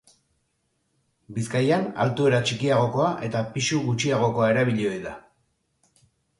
Bizkaian altuera txikiagokoa eta pisu gutxiagokoa erabili ohi da.